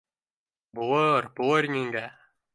— Булыр, булыр, еңгә